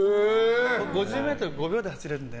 ５０ｍ、５秒台で走れるんで。